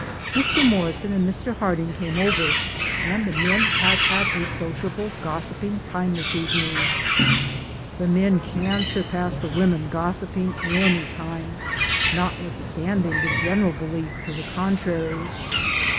Mr. Morrison and Mr. Harding came over, and the men have had a sociable, gos siping time this evening; the men can sur pass the women gossiping any time, notwith DAYS ON THE ROAD. 39 standing the general belief to the contrary.